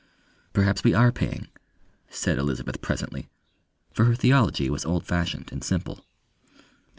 "Perhaps we are paying," said Elizabeth presently for her theology was old fashioned and simple.